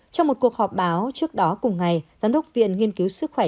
trong một cuộc họp báo trước đó cùng ngày giám đốc viện nghiên cứu sức khỏe